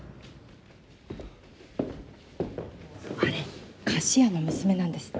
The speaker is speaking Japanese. あれ菓子屋の娘なんですって？